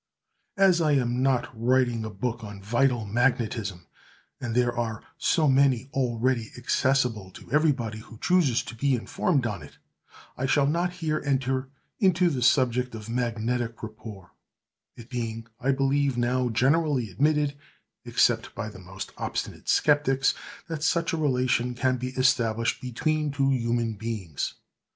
As I am not writing a book on vital magnetism, and there are so many already accessible to everybody who chooses to be informed on it, I shall not here enter into the subject of magnetic rapport, it being, I believe, now generally admitted, except by the most obstinate skeptics, that such a relation can be established between two human beings.